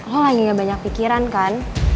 lo lagi gak banyak pikiran kan